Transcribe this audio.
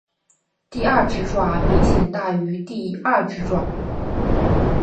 第二指爪明显大于第二指爪。